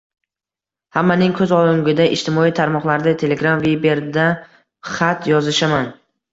hammaning koʻz oʻngida ijtimoiy tarmoqlarda, telegram, viber’da xat yozishaman.